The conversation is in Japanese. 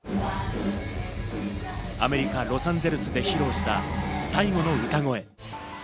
アメリカ・ロサンゼルスで披露した最後の歌声。